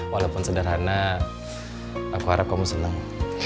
walaupun sederhana aku harap kamu senang